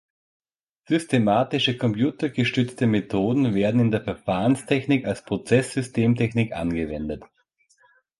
Systematische computergestützte Methoden werden in der Verfahrenstechnik als Prozesssystemtechnik angewendet.